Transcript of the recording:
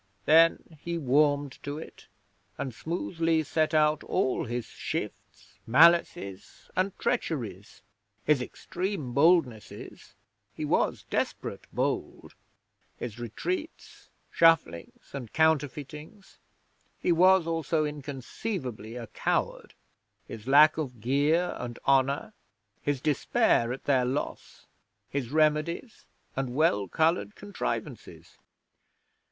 Then he warmed to it, and smoothly set out all his shifts, malices, and treacheries, his extreme boldnesses (he was desperate bold); his retreats, shufflings, and counterfeitings (he was also inconceivably a coward); his lack of gear and honour; his despair at their loss; his remedies, and well coloured contrivances.